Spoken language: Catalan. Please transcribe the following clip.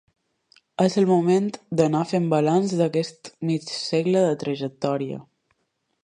És el moment d'anar fent balanç d'aquest mig segle de trajectòria.